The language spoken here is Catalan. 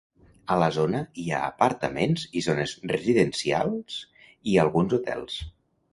A la zona hi ha apartaments i zones residencials i alguns hotels.